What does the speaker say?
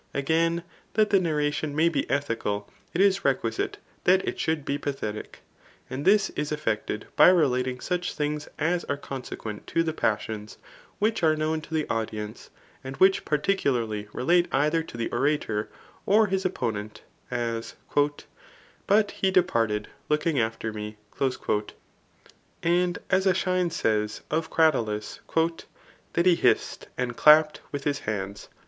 Again, that the narratioa may be ethical, it is requisite that it should be pathetic i^ and this is effected by relating such things as are conse> quent to the passions, which are known to the audience, and which particularly relate either to the orator, or his opponent; as, ^'But he departed looking after me;'' and as iEschines says of Cratylus, *^ That he hissed, and clapped whh his hands.